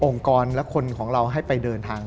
กรและคนของเราให้ไปเดินทาง